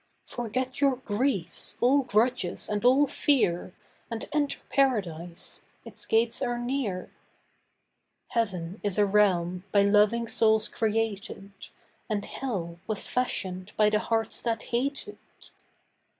Forget your griefs, all grudges and all fear And enter Paradise—its gates are near. Heaven is a realm by loving souls created, And hell was fashioned by the hearts that hated.